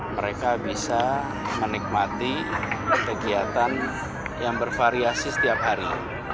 mereka bisa menikmati kegiatan yang bervariasi setiap hari